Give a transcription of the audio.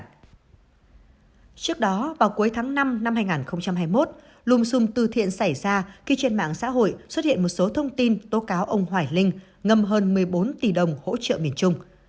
trước đó vào cuối tháng năm năm hai nghìn hai mươi một lùm xùm từ thiện xảy ra khi trên mạng xã hội xuất hiện một số thông tin tố cáo ông hoài linh ngâm hơn một mươi bốn tỷ đồng hỗ trợ miền trung